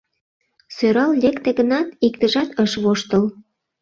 Сӧрал лекте гынат, иктыжат ыш воштыл.